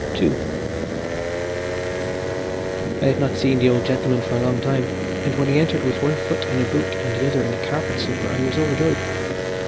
II I had not seen the old gentleman for a long time, and when he entered with one foot in a boot and the other in a carpet slipper, I was overjoyed.